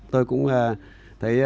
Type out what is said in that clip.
tôi cũng thấy